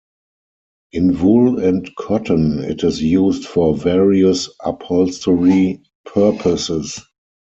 In wool and cotton it is used for various upholstery purposes.